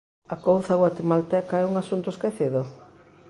A couza guatemalteca é un asunto esquecido?